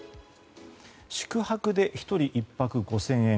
宿泊で１人１泊５０００円